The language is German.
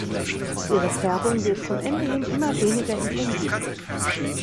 Ihre Färbung wird zum Ende hin immer weniger intensiv.